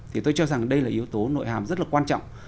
thì tôi cho rằng đây là yếu tố nội hàm rất là quan trọng